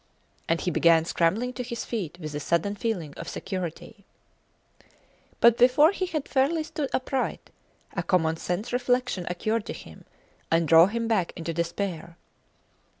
And he began scrambling to his feet with a sudden feeling of security. But before he had fairly stood upright, a commonsense reflection occurred to him and drove him back into despair.